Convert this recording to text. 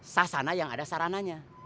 sasana yang ada sarananya